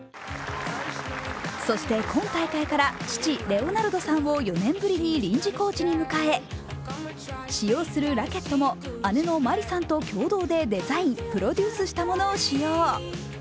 そして今大会から父・レオナルドさんを４年ぶりに臨時コーチに迎え使用するラケットも姉のまりさんと共同でデザイン・プロデュースしたものを使用。